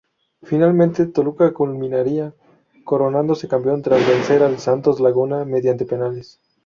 Finalmente Toluca culminaría coronándose campeón tras vencer al Santos Laguna mediante penales.